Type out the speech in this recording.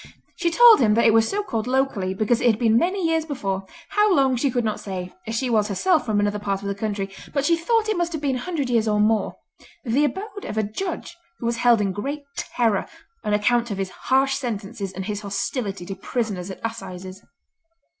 She told him that it was so called locally because it had been many years before—how long she could not say, as she was herself from another part of the country, but she thought it must have been a hundred years or more—the abode of a judge who was held in great terror on account of his harsh sentences and his hostility to prisoners at Assizes.